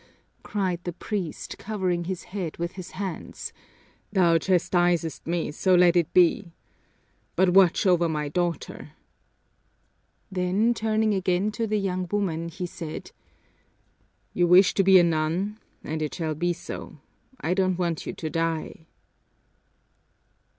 cried the priest, covering his head with his hands, "Thou chastisest me, so let it be! But watch over my daughter!" Then, turning again to the young woman, he said, "You wish to be a nun, and it shall be so. I don't want you to die."